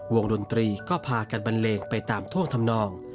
ดนตรีก็พากันบันเลงไปตามท่วงทำนอง